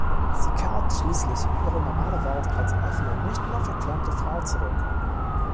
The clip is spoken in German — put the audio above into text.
Sie kehrt schließlich in ihre normale Welt als offene, nicht mehr verklemmte Frau zurück.